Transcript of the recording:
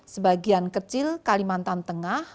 sebagian kecil kalimantan tengah